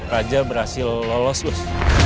raja berhasil lolos bus